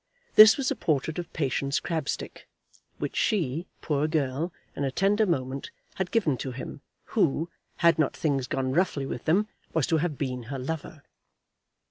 This was a portrait of Patience Crabstick, which she, poor girl, in a tender moment, had given to him who, had not things gone roughly with them, was to have been her lover.